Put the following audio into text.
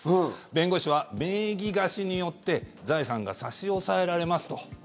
弁護士は、名義貸しによって財産が差し押さえられますと。